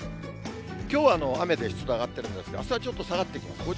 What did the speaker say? きょう、雨で湿度上がってるんですが、あすはちょっと下がってきます。